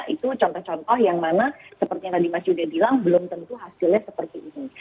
itu contoh contoh yang mana seperti yang tadi mas yuda bilang belum tentu hasilnya seperti ini